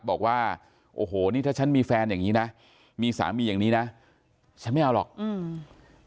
บอกว่าโอ้โหนี่ถ้าฉันมีแฟนอย่างงี้นะมีสามีอย่างนี้นะฉันไม่เอาหรอกอืม